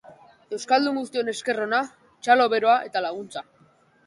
Euskaldun guztion esker ona, txalo beroa eta laguntza.